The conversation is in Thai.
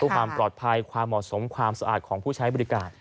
ความปลอดภัยความเหมาะสมความสะอาดของผู้ใช้บริการ